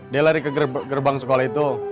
dia lari ke gerbang sekolah itu